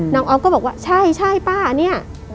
น้องอ๊อบก็บอกว่าใช่ป้าเนี่ย